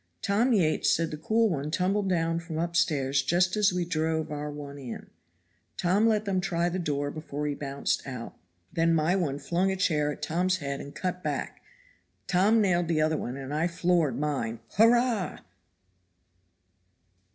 Tom Yates says the cool one tumbled down from upstairs just as we drove our one in. Tom let them try the door before he bounced out; then my one flung a chair at Tom's head and cut back, Tom nailed the other and I floored mine. Hurrah!"